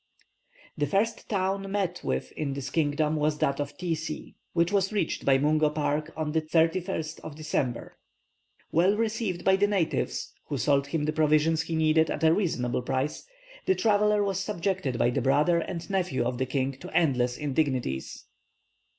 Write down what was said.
The first town met with in this kingdom was that of Tiesie, which was reached by Mungo Park on the 31st of December. Well received by the natives, who sold him the provisions he needed at a reasonable price, the traveller was subjected by the brother and nephew of the king to endless indignities.